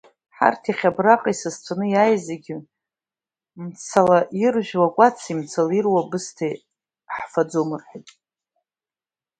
Ҳарҭ иахьа абраҟа исасцәаны иааиз зегьы мцала иржәуа акәаци, мцала ируа абысҭеи ҳфаӡом ҳәа.